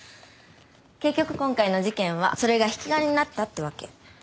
結局今回の事件はそれが引き金になったってわけ。